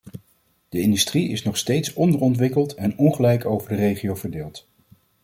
De industrie is nog steeds onderontwikkeld en ongelijk over de regio verdeeld.